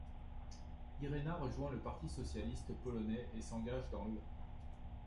Irena rejoint le Parti socialiste polonais et s'engage dans l'.